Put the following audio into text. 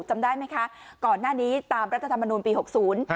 จำได้ไหมคะก่อนหน้านี้ตามรัฐธรรมนูลปีหกศูนย์